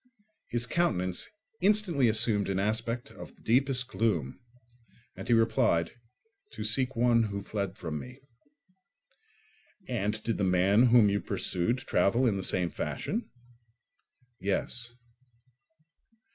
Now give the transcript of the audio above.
His countenance instantly assumed an aspect of the deepest gloom, and he replied, "To seek one who fled from me." "And did the man whom you pursued travel in the same fashion?" "Yes."